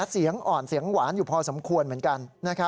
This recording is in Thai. เสียงอ่อนเสียงหวานอยู่พอสมควรเหมือนกัน